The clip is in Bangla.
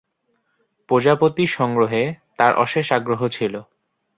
প্রজাপতি সংগ্রহে তার অশেষ আগ্রহ ছিল।